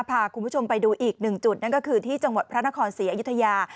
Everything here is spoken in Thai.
พาคุณผู้ชมไปดูอีกหนึ่งจุดนั่นก็คือที่จังหวัดพระนครศรีอยุธยา